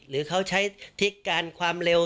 หรือเขาใช้ทิศการความเร็ว